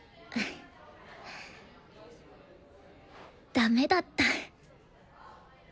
ダメだった。